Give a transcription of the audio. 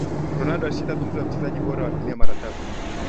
Ronaldo alishinda tuzo ya mchezaji bora wa Dunia mara tatu